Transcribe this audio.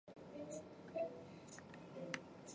狭叶短毛独活是伞形科独活属短毛牛防风的变种。